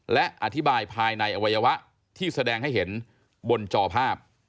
และอธิบายภายในอวัยวะที่แสดงให้เห็นบนจอภาพ